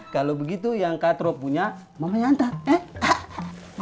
kalau begitu yang katro punya mama nyantar ya